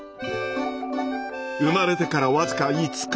生まれてから僅か５日。